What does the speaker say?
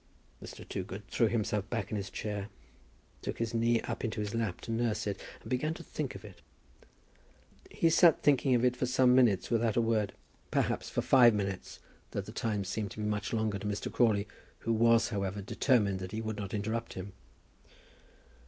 Mr. Toogood threw himself back in his chair, took his knee up into his lap to nurse it, and began to think of it. He sat thinking of it for some minutes without a word, perhaps for five minutes, though the time seemed to be much longer to Mr. Crawley, who was, however, determined that he would not interrupt him.